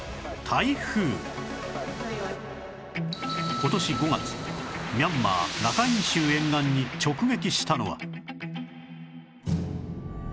今年５月ミャンマーラカイン州沿岸に直撃したのは